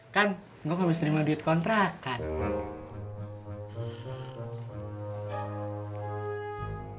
kan ngok abis terima duit kontrakan